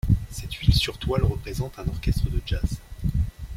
Cette huile sur toile représente un orchestre de jazz.